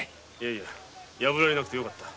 いや破られなくて良かった。